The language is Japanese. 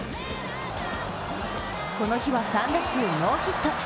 この日は３打数ノーヒット。